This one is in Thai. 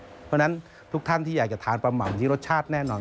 เพราะฉะนั้นทุกท่านที่อยากจะทานปลาหม่ำที่รสชาติแน่นอน